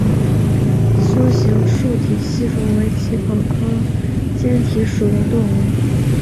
梭形坚体吸虫为棘口科坚体属的动物。